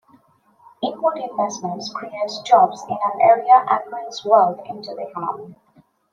Inward investment creates jobs in an area and brings wealth into the economy.